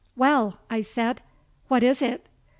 "Well!" I said. "What is it?"